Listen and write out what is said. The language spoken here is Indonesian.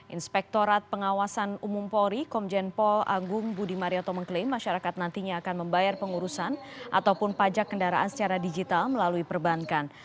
inspektorat pengawasan umum polri komjen paul agung budi marioto mengklaim masyarakat nantinya akan membayar pengurusan ataupun pajak kendaraan secara digital melalui perbankan